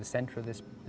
jadi ya jalan ini